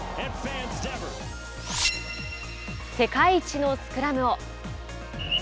世界一のスクラムを！